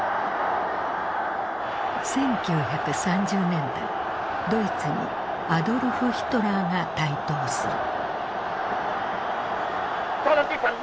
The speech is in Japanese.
１９３０年代ドイツにアドルフ・ヒトラーが台頭する。